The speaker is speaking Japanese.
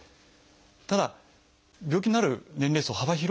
ただ病気になる年齢層幅広いです。